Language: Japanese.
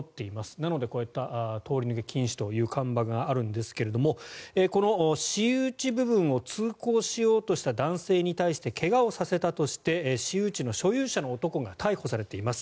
なので、こうやって通り抜け禁止という看板があるんですがこの私有地部分を通行しようとした男性に対して怪我をさせたとして私有地の所有者の男が逮捕されています。